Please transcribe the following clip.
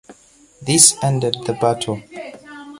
This ended the battle.